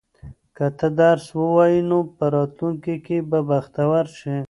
که ته درس ووایې نو په راتلونکي کې به بختور شې.